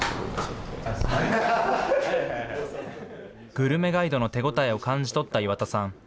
グルメガイドの手応えを感じ取った岩田さん。